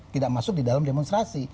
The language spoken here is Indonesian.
tidak masuk di dalam demonstrasi